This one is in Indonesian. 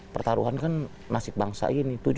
pertaruhan kan nasib bangsa ini